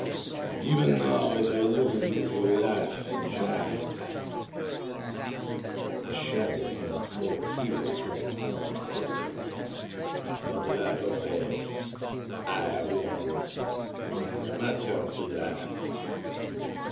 Even now as I look at you, you laugh and jibe!" The shadow upon the floor here swung its arms threateningly. "But laugh away. I have won, and it is my turn to laugh!"